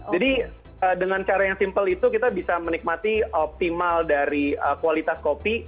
jadi dengan cara yang simple itu kita bisa menikmati optimal dari kualitas kopi